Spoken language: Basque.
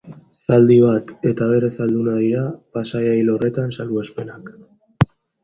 Zaldi bat eta bere zalduna dira paisaia hil horretan salbuespenak.